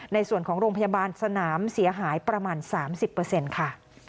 ในส่วนของโรงพยาบาลสนามเสียหายประมาณ๓๐ค่ะ